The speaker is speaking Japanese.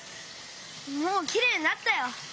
もうきれいになったよ。